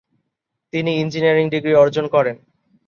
তিনি engineering degree অর্জন করেন।